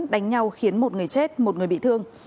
đánh nhau khiến một người chết một người bị thương